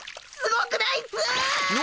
ごくないっす！